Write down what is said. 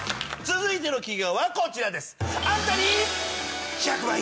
続いての企業はこちらです。